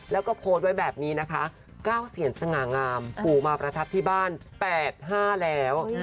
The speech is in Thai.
แล้วก็โพสต์ไว้แบบนี้นะคะ๙เสียงสง่างามปู่มาประทับที่บ้าน๘๕แล้ว